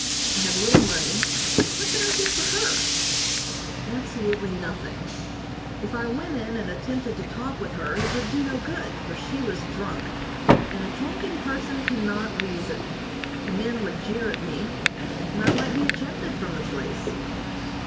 I had little money. What could I do for her? Absolutely nothing. If I went in and attempted to talk with her it would do no good, for she was drunk, and a drunken person cannot reason. The men would jeer at me, and I might be ejected from the place.